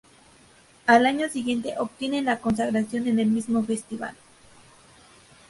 Al año siguiente obtienen la Consagración en el mismo festival.